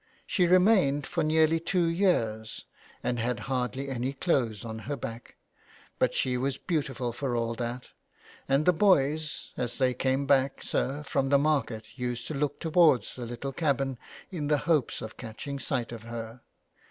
She remained for nearly two years, and had hardly any clothes on her back, but she was beautiful for all that, and the boys, as they came back, sir, from the market used to look towards the little cabin in the hopes of catching sight of her.